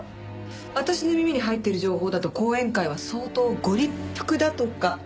私の耳に入ってる情報だと後援会は相当ご立腹だとか。